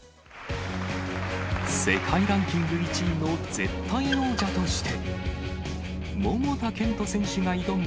世界ランキング１位の絶対王者として。